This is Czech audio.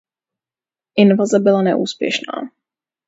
Invaze byla neúspěšná.